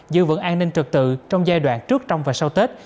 giữ vững an ninh trật tự trong giai đoạn trước trong và sau tết